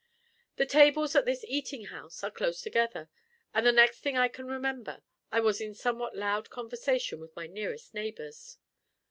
The tables at this eating house are close together; and the next thing I can remember, I was in somewhat loud conversation with my nearest neighbours.